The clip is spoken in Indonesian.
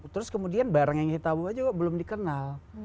terus kemudian barang yang kita bawa juga belum dikenal